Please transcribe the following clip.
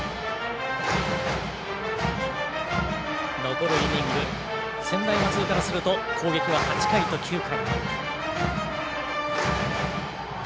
残るイニング専大松戸からすると攻撃は８回と９回。